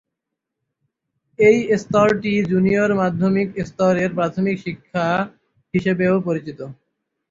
এই স্তরটি জুনিয়র মাধ্যমিক স্তরের প্রাথমিক শিক্ষা হিসাবেও পরিচিত।